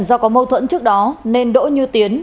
do có mâu thuẫn trước đó nên đỗ như tiến